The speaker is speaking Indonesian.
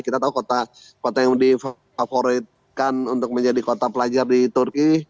kita tahu kota yang difavoritkan untuk menjadi kota pelajar di turki